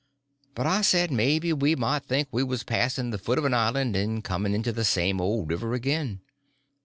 But I said maybe we might think we was passing the foot of an island and coming into the same old river again.